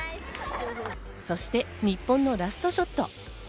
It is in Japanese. そして日本のラストショット。